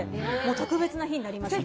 特別な日になりました。